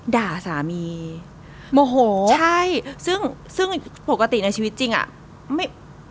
ด่าสามีโมโหใช่ซึ่งซึ่งปกติในชีวิตจริงอ่ะไม่